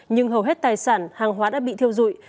nhưng hầu hết tài sản hàng hóa đã bị thiêu dụi